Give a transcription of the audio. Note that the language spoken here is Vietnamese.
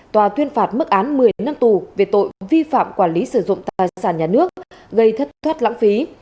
tòa tuyên phạt mức án một mươi năm tù về tội vi phạm quản lý sử dụng tài sản nhà nước gây thất thoát lãng phí